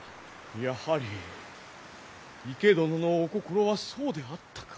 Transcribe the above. やはり池殿のお心はそうであったか。